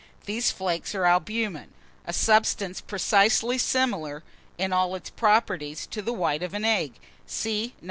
These flakes are albumen, a substance precisely similar, in all its properties, to the white of egg (see No.